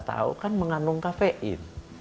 tahu kan mengandung kafein